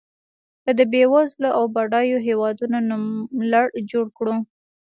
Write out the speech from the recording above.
که د بېوزلو او بډایو هېوادونو نوملړ جوړ کړو.